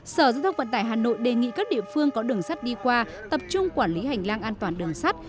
sở giao thông vận tải hà nội đề nghị các địa phương có đường sắt đi qua tập trung quản lý hành lang an toàn đường sắt